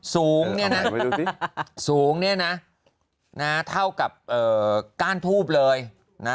สูงเนี่ยน่ะสูงเนี่ยน่ะน่ะเท่ากับเอ่อก้านทูบเลยน่ะ